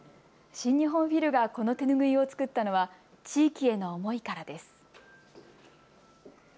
新日本フィルがこの手拭いを作ったのは地域への思いからです。